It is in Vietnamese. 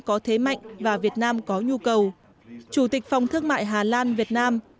có thế mạnh và việt nam có nhu cầu chủ tịch phòng thương mại hà lan việt nam